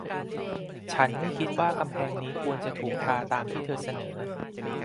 ฉันไม่คิดว่ากำแพงนี้ควรจะถูกทาตามที่เธอเสนอ